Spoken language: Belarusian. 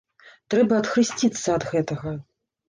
Трэба адхрысціцца ад гэтага.